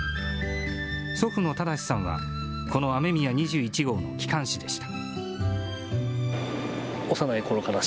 祖父の正さんは、この雨宮２１号の機関士でした。